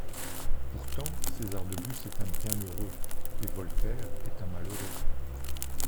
Pourtant César de Bus est un bienheureux et Voltaire est un malheureux.